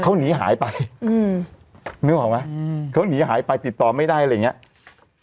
เขาหนีหายไปอืมนึกออกไหมอืมเขาหนีหายไปติดต่อไม่ได้อะไรอย่างเงี้ย